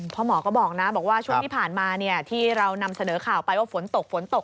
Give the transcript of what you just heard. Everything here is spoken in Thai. พ่อหมอก็บอกนะบอกว่าช่วงที่ผ่านมาที่เรานำเสนอข่าวไปว่าฝนตกฝนตก